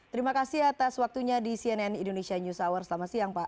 terima kasih atas waktunya di cnn indonesia news hour selamat siang pak